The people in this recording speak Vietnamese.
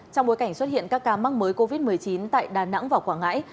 trong bối cảnh xuất hiện các ca mắc mới covid một mươi chín tại đà nẵng và quảng ngãi